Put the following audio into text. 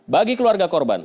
bagi keluarga korban